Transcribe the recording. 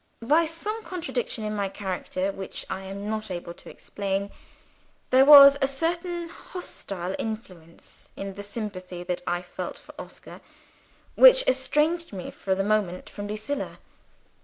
By some contradiction in my character which I am not able to explain, there was a certain hostile influence in the sympathy that I felt for Oscar, which estranged me, for the moment, from Lucilla.